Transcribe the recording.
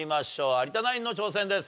有田ナインの挑戦です。